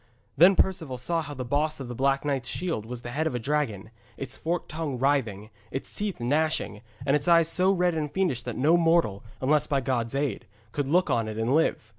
Then Perceval saw how the boss of the Black Knight's shield was the head of a dragon, its forked tongue writhing, its teeth gnashing, and its eyes so red and fiendish that no mortal, unless by God's aid, could look on it and live.